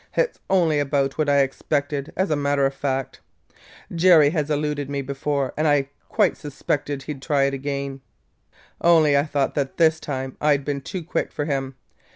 "It 's only about what I expected, as a matter of fact. Jerry has eluded me before and I quite suspected he 'd try to again, only I thought that this time I 'd been too quick for him.